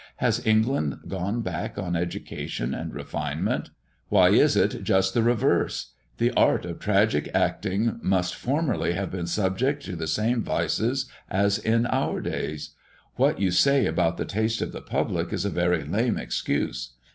Has England gone back in education and refinement? Why it is just the reverse. The art of tragic acting must formerly have been subject to the same vices as in our days. What you say about the taste of the public is a very lame excuse.